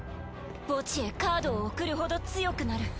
墓地へカードを送るほど強くなる。